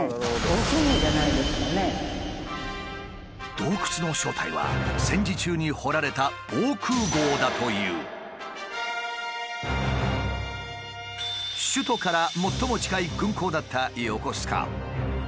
洞窟の正体は戦時中に掘られた首都から最も近い軍港だった横須賀。